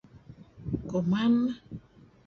Kuman neh.